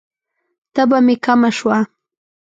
تبه می کمه شوه؟